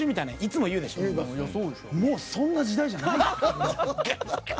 もう、そんな時代じゃないよ！